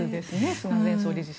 菅総理自身。